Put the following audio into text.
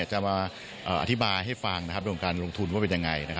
จะมาอธิบายให้ฟังเรื่องการลงทุนว่าเป็นยังไง